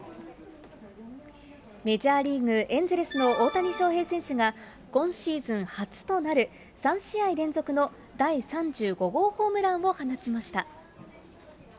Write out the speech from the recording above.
メジャーリーグ・エンゼルスの大谷翔平選手が、今シーズン初となる３試合連続の第３５号ホームランを放ちました。